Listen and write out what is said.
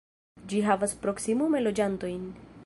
Ĝi havas proksimume loĝantojn.